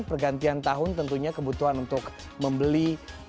pergantian tahun tentunya kebutuhan untuk membeli